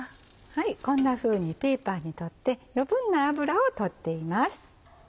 こんなふうにペーパーに取って余分な脂を取っています。